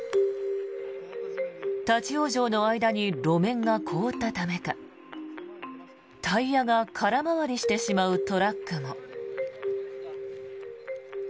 立ち往生の間に路面が凍ったためかタイヤが空回りしてしまうトラックも。